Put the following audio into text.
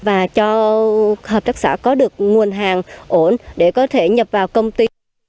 và cho hợp tác xã có được nguồn hàng ổn để có thể nhập vào công ty